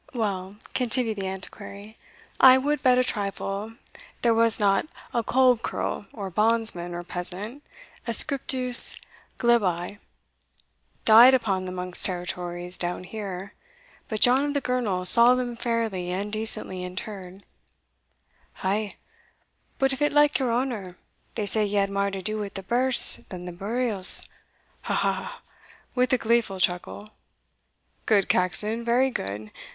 "Well," continued the Antiquary, "I would bet a trifle there was not a kolb kerl, or bondsman, or peasant, ascriptus glebae, died upon the monks' territories down here, but John of the Girnel saw them fairly and decently interred." "Ay, but if it like your honour, they say he had mair to do wi' the births than the burials. Ha! ha! ha!" with a gleeful chuckle. "Good, Caxon, very good!